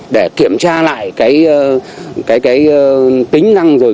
để kiểm tra lại cái tính năng rồi